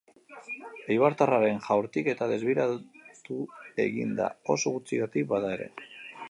Eibartarraren jaurtiketa desbideratu egin da, oso gutxigatik bada ere.